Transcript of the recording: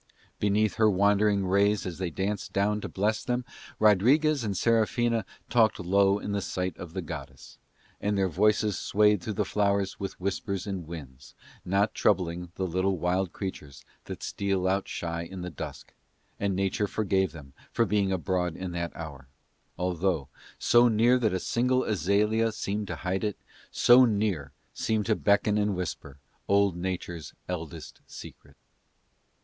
Beneath her wandering rays as they danced down to bless them Rodriguez and Serafina talked low in the sight of the goddess, and their voices swayed through the flowers with whispers and winds, not troubling the little wild creatures that steal out shy in the dusk, and Nature forgave them for being abroad in that hour; although, so near that a single azalea seemed to hide it, so near seemed to beckon and whisper old Nature's eldest secret.